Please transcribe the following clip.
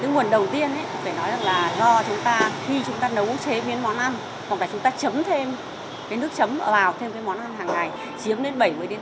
thứ nguồn đầu tiên phải nói là do chúng ta khi chúng ta nấu chế biến món ăn hoặc là chúng ta chấm thêm cái nước chấm vào thêm cái món ăn hàng ngày chiếm đến bảy mươi đến tám mươi